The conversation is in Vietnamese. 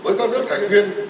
với các nước thành viên